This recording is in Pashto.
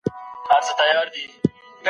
ته ولي پلان جوړوې؟